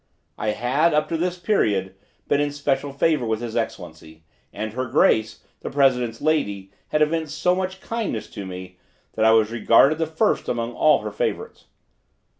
I had, up to this period, been in special favor with his Excellency; and her Grace, the president's lady, had evinced so much kindness to me, that I was regarded the first among all her favorites.